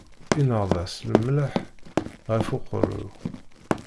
Inɣed-as lemleḥ ɣef uqeṛṛu.